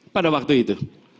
pada waktu itu